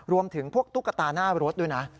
รวมถึงพวกตุ๊กตาหน้ารถด้วยนะ